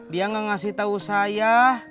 dia gak ngasih tau saya